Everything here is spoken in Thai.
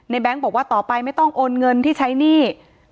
แบงค์บอกว่าต่อไปไม่ต้องโอนเงินที่ใช้หนี้